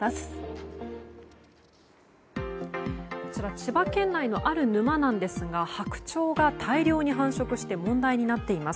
千葉県内のある沼なんですがハクチョウが大量に繁殖して問題になっています。